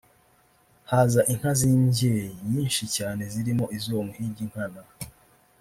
haza inka z’imbyeyi nyinshi cyane zirimo iz’uwo muhigi Nkana